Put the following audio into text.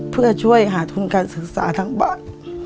เพื่อช่วยหาทุนการศึกษาทั้งบ้าน